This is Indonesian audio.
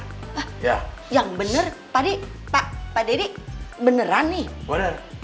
pak yang bener tadi pak deddy beneran nih